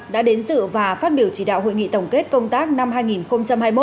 đã đến dự và phát biểu chỉ đạo hội nghị tổng kết công tác năm hai nghìn hai mươi một